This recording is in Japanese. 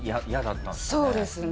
そうですね。